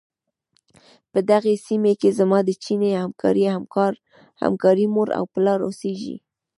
په دغې سيمې کې زما د چيني همکارې مور او پلار اوسيږي.